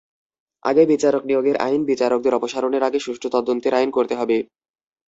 আগে বিচারক নিয়োগের আইন, বিচারকদের অপসারণের আগে সুষ্ঠু তদন্তের আইন করতে হবে।